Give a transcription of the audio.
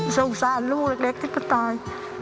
สงสารลูกเล็กที่ก็ตาย